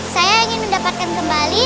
saya ingin mendapatkan kembali